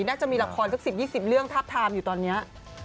น่าจะมีละครสัก๑๐๒๐เรื่องทับทามอยู่ตอนนี้